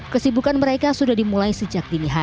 kesibukan mereka sudah dimulai sejak dinihan